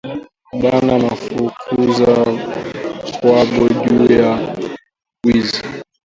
Bana mufukuza kwabo juya bwizi